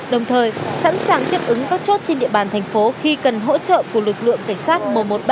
đồng thời sẵn sàng tiếp ứng các chốt trên địa bàn thành phố khi cần hỗ trợ của lực lượng cảnh sát một trăm một mươi ba